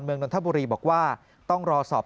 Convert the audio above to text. เมืองดนทบุรีบอกว่าต้องรอสอบ